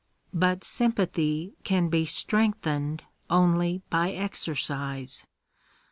•J But sympathy can be strengthened only by exercise.